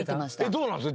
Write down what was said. どうなんですか？